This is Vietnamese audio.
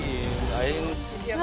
em không còn đồng bọn